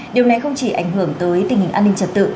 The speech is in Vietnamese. điều này không chỉ ảnh hưởng tới tình hình an ninh trật tự